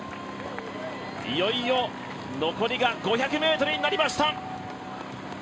いよいよ残りが５００ｍになりました。